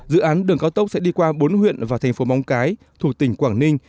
dự án đường cao tốc sẽ đi qua bốn huyện và thành phố móng cái thuộc tỉnh quảng ninh